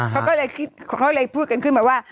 เขาเลยพูดกันขึ้นมาว่า